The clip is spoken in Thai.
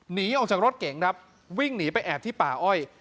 หนีออกจากรถเก๋งครับวิ่งหนีไปแอบที่ป่าอ้อย